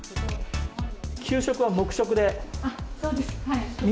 給食は黙食で？